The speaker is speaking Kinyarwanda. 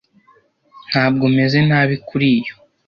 ntabwo meze nabi kuri yo